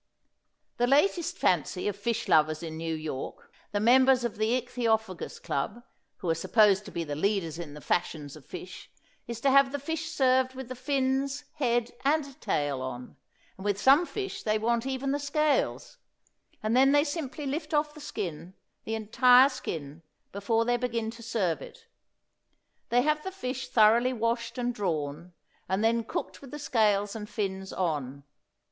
The latest fancy of fish lovers in New York, the members of the Ichthyophagous Club, who are supposed to be the leaders in the fashions of fish, is to have the fish served with the fins, head and tail on; and with some fish they want even the scales; and then they simply lift off the skin, the entire skin, before they begin to serve it. They have the fish thoroughly washed and drawn, and then cooked with the scales and fins on.